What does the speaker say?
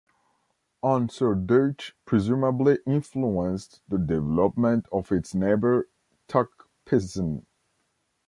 Unserdeutsch presumably influenced the development of its neighbour, Tok Pisin.